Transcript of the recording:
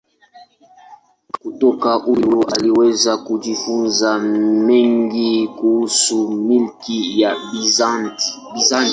Kutoka huyu aliweza kujifunza mengi kuhusu milki ya Bizanti.